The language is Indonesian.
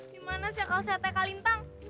dimana si akal sehatnya kalintang